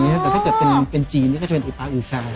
แต่ถ้าเป็นจีนก็ก็จะเป็นปลาอุทรา